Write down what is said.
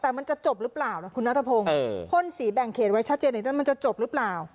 แต่มันจะจบหรือเปล่านะคุณนัทพงศ์พ่นสีแบ่งเขตไว้ชัดเจนอีกด้วยมันจะจบหรือเปล่า